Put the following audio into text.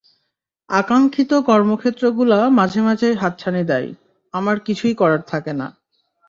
আকাঙ্ক্ষিত কর্মক্ষেত্রগুলো মাঝে মাঝেই হাতছানি দেয়, আমার কিছুই করার থাকে না।